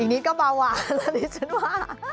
อีกนิดก็มาหวานที่ฉันว่า